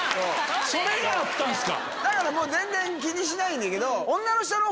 それがあったんすか。